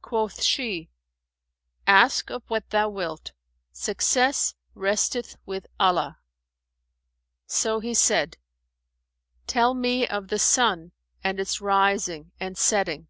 Quoth she, "Ask of what thou wilt; success resteth with Allah." So he said, "Tell me of the sun and its rising and setting."